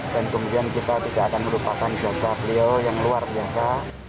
dan kemudian kita tidak akan melupakan jasa beliau yang luar biasa